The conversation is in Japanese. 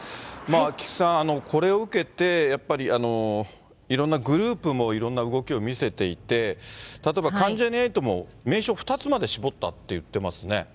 菊池さん、これを受けて、やっぱりいろんなグループも、いろんな動きを見せていて、例えば、関ジャニ∞も名称２つまで絞ったって言ってますね。